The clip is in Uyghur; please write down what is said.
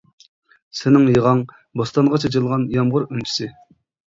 سېنىڭ يىغاڭ بوستانغا چېچىلغان يامغۇر ئۈنچىسى.